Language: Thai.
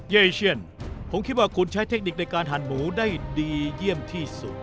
เยเชียนผมคิดว่าคุณใช้เทคนิคในการหั่นหมูได้ดีเยี่ยมที่สุด